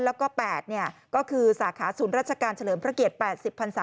แล้วก็๘ก็คือสาขาศูนย์ราชการเฉลิมพระเกียรติ๘๐พันศา